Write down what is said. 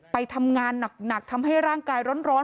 ไปทำงานหนักทำให้ร่างกายร้อน